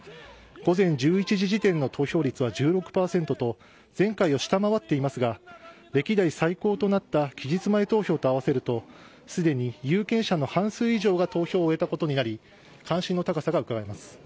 午前１１時時点の投票率は１６％と、前回を下回っていますが、歴代最高となった期日前投票と合わせると、すでに有権者の半数以上が投票を終えたことになり、関心の高さがうかがえます。